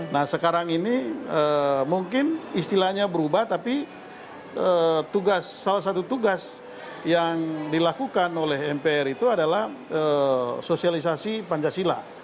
nah sekarang ini mungkin istilahnya berubah tapi salah satu tugas yang dilakukan oleh mpr itu adalah sosialisasi pancasila